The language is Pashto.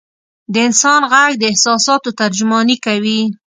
د انسان ږغ د احساساتو ترجماني کوي.